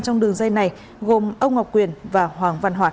trong đường dây này gồm ông ngọc quyền và hoàng văn hoạt